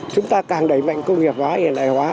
chúng ta càng đẩy mạnh công nghiệp hóa hóa hóa